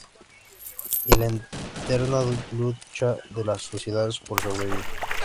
Y la eterna lucha de las sociedades por sobrevivir.